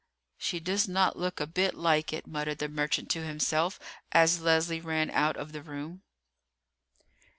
"She does not look a bit like it," muttered the merchant to himself as Leslie ran out of the room.